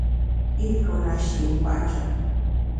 I tuo na shi i nkwet njap.